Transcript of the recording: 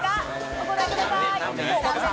お答えください。